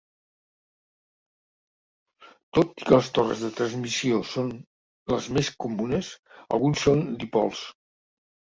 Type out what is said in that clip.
Tot i que les torres de transmissió són les més comunes, alguns són dipols.